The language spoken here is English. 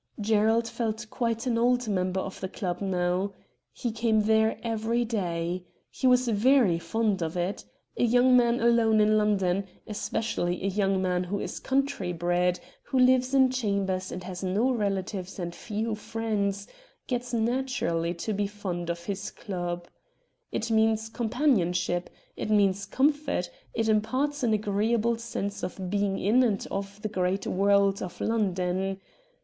Gerald felt quite an old member of the club now. He came there every day. He was very fond of it. A young man alone in London, especially a young man who is country bred, who lives in chambers, and has no relatives and few friends, gets naturally to be fond of his club. It means companionship, it means comfort, it imparts an agreeable sense of being in and of the great world of London.